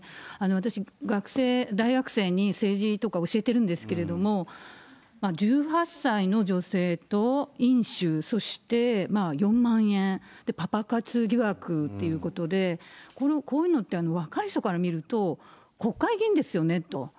私、学生、大学生に政治とか教えてるんですけれども、１８歳の女性と飲酒、そして４万円、パパ活疑惑っていうことで、こういうのって若い人から見ると、国会議員ですよねと。